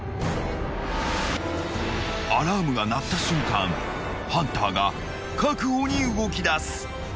［アラームが鳴った瞬間ハンターが確保に動きだす］